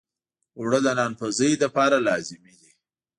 اوړه د نان پزی لپاره لازمي دي